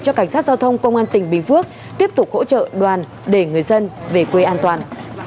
cho cảnh sát giao thông công an tỉnh bình phước tiếp tục hỗ trợ đoàn để người dân về quê an toàn